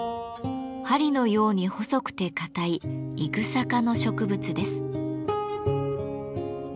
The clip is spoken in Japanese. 針のように細くてかたいイグサ科の植物です。